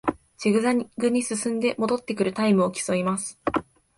ジグザグに進んで戻ってくるタイムを競います